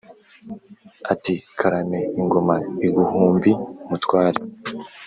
ati"karame ingoma iguhumbi mutware"